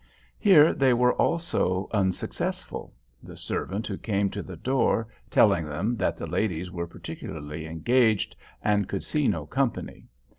Here they were also unsuccessful; the servant who came to the door telling them that the ladies were particularly engaged and could see no company.